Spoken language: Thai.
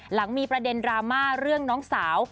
หลังมีประเด็นดราม่าเรื่องน้องสาว